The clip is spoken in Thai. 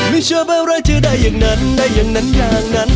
ไม่ชอบอะไรจะได้อย่างนั้นได้อย่างนั้นอย่างนั้น